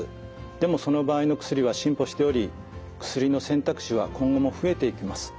でもその場合の薬は進歩しており薬の選択肢は今後も増えていきます。